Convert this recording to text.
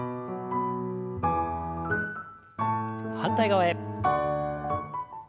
反対側へ。